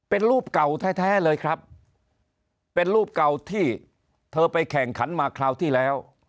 เป็นรูปเก่าแท้เลยครับเป็นรูปเก่าที่เธอไปแข่งขันมาคราวที่แล้ว